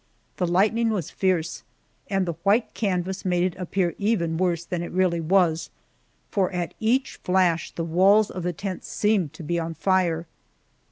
The lightning was fierce, and the white canvas made it appear even worse than it really was, for at each flash the walls of the tent seemed to be on fire.